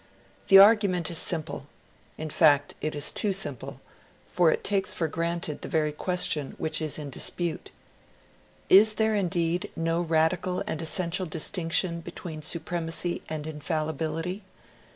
The argument is simple; in fact, it is too simple; for it takes for granted the very question which is in dispute. Is there indeed no radical and essential distinction between supremacy and infallibility?